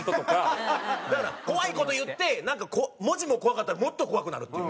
だから怖い事言って文字も怖かったらもっと怖くなるっていう。